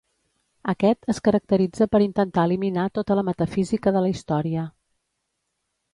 Aquest es caracteritza per intentar eliminar tota metafísica de la història.